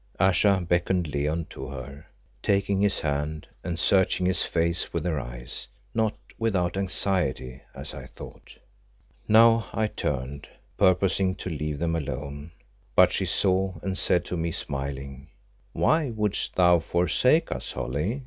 Ayesha beckoned Leo to her, taking his hand and searching his face with her eyes, not without anxiety as I thought. Now I turned, purposing to leave them alone, but she saw, and said to me, smiling "Why wouldst thou forsake us, Holly?